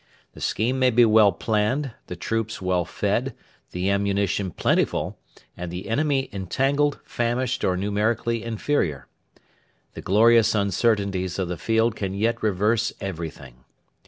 The scheme may be well planned, the troops well fed, the ammunition plentiful, and the enemy entangled, famished, or numerically inferior. The glorious uncertainties of the field can yet reverse everything.